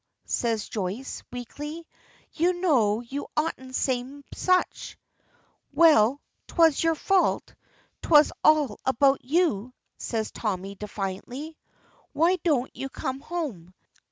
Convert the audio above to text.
says Joyce, weakly, "you know you oughtn't to say such " "Well, 'twas your fault, 'twas all about you," says Tommy, defiantly. "Why don't you come home?